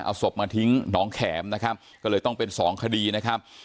เอาศพมาทิ้งหนองแขมนะครับก็เลยต้องเป็นสองคดีนะครับ